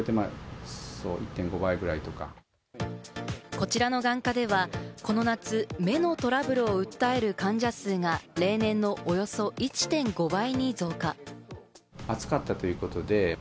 こちらの眼科では、この夏、目のトラブルを訴える患者数が例年のおよそ１．５倍に増加。